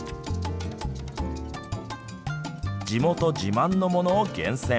地元自慢のものを厳選。